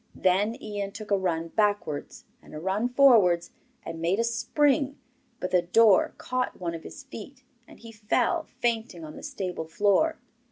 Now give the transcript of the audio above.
Then Ian took a run backwards, and a run forwards, and made a spring; but the door caught one of his feet, and he fell fainting on the stable floor.